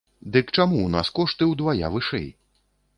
Дык чаму ў нас кошты ўдвая вышэй?